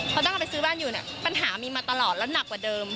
พอต้องเอาไปซื้อบ้านอยู่เนี่ยปัญหามีมาตลอดแล้วหนักกว่าเดิม